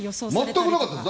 全くなかったです。